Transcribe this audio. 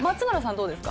どうですか？